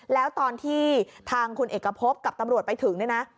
แล้วตอนที่ทางคุณเอกพบกับตำรวจไปถึงเนี่ยนะ